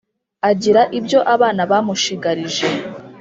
agira ibyo abana bamushigarije